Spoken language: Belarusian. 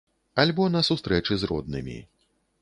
Альбо на сустрэчы з роднымі.